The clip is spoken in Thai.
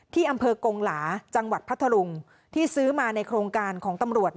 ที่อำเภอกงหลาจังหวัดพัทธรุงที่ซื้อมาในโครงการของตำรวจ